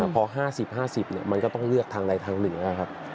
พอ๕๐๕๐มันก็ต้องเลือกทางใดทางหนึ่งนะครับ